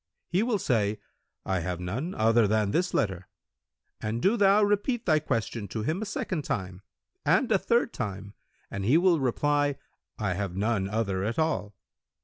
He will say, 'I have none other than this letter'; but do thou repeat thy question to him a second time and a third time, and he will reply, 'I have none other at all.'